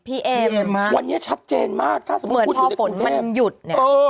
พี่เอ็มวันนี้ชัดเจนมากถ้าสมมุติอยู่ในกรุงแทนเหมือนพ่อฝนมันหยุดเนี่ย